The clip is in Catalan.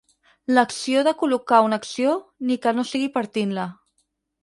L'acció de col·locar una acció, ni que no sigui partint-la.